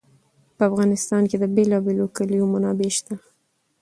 په افغانستان کې د بېلابېلو کلیو منابع شته.